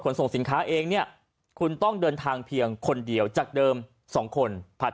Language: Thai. ส่งสินค้าเองเนี่ยคุณต้องเดินทางเพียงคนเดียวจากเดิม๒คนผ่าน